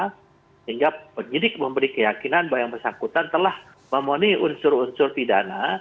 sehingga penyidik memberi keyakinan bahwa yang bersangkutan telah memenuhi unsur unsur pidana